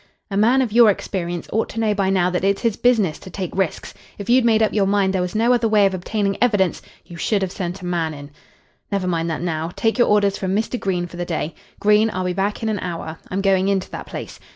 "A man of your experience ought to know by now that it's his business to take risks. If you'd made up your mind there was no other way of obtaining evidence you should have sent a man in. Never mind that now. Take your orders from Mr. Green for the day. Green, I'll be back in an hour. I'm going into that place.